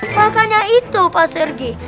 makanya itu pak sergei